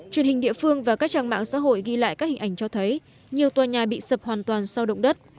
truyền hình địa phương và các trang mạng xã hội ghi lại các hình ảnh cho thấy nhiều tòa nhà bị sập hoàn toàn sau động đất